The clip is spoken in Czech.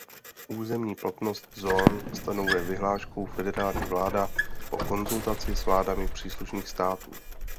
Územní platnost zón stanovuje vyhláškou federální vláda po konzultaci s vládami příslušných států.